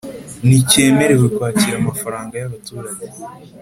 nticyemerewe kwakira amafaranga y abaturage